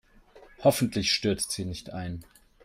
Hoffentlich stürzt sie nicht ein.